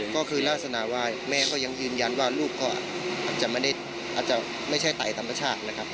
ก็คือลักษณะว่าแม่ก็ยังยืนยันว่าลูกก็อาจจะไม่ใช่ไตธรรมชาตินะครับ